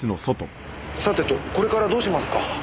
さてとこれからどうしますか？